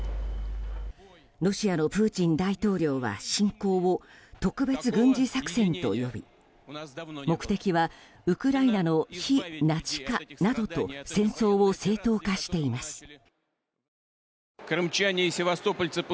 ロシアのプーチン大統領は侵攻を特別軍事作戦と呼び目的はウクライナの非ナチ化などと戦争を正当化しています。